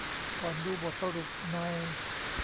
ก่อนดูบทสรุปใน